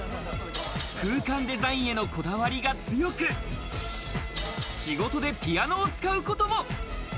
空間デザインへのこだわりが強く、仕事でピアノを使うことも。